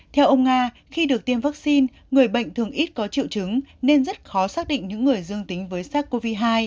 theo ông nga khi được tiêm vaccine người bệnh thường ít có triệu chứng nên rất khó xác định những người dương tính với sars cov hai